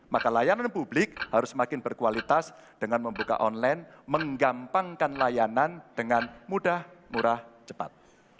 maka layanan publik harus semakin berkualitas dengan membuka online menggampangkan layanan dengan mudah murah cepat